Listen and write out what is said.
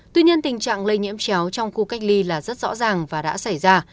tuy nhiên tình trạng lây nhiễm chéo trong khu cách ly là rất rõ ràng và đã xảy ra